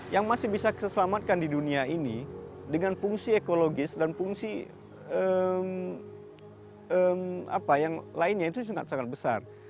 yang masih bisa terselamatkan di dunia ini dengan fungsi ekologis dan fungsi yang lainnya itu sangat sangat besar